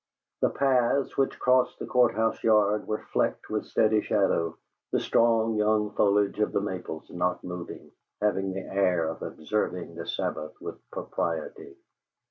The paths which crossed the Court house yard were flecked with steady shadow, the strong young foliage of the maples not moving, having the air of observing the Sabbath with propriety.